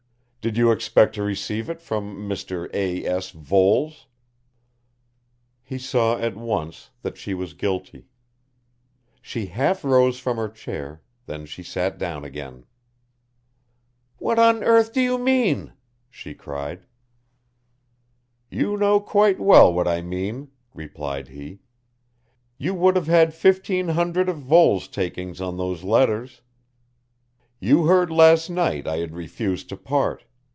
"Did you expect to receive it from Mr. A. S. Voles?" He saw at once that she was guilty. She half rose from her chair, then she sat down again. "What on earth do you mean?" she cried. "You know quite well what I mean," replied he, "you would have had fifteen hundred of Voles' takings on those letters. You heard last night I had refused to part.